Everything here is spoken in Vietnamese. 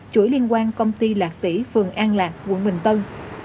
chuỗi liên quan công ty lạc tỉ phường an lạc quận bình tân